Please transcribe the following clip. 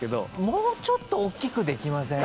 もうちょっと大きくできません？